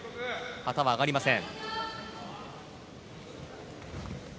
旗は上がりません。